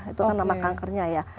itu kan nama kankernya ya